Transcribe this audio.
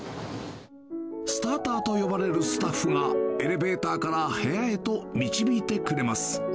スターターと呼ばれるスタッフが、エレベーターから部屋へと導いてくれます。